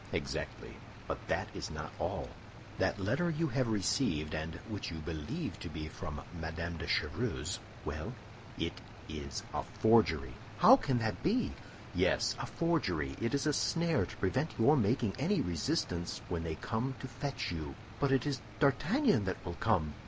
"Exactly; but that is not all. That letter you have received, and which you believe to be from Madame de Chevreuse—" "Well?" "It is a forgery." "How can that be?" "Yes, a forgery; it is a snare to prevent your making any resistance when they come to fetch you." "But it is D'Artagnan that will come."